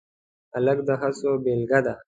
هلک د هڅو بیلګه ده.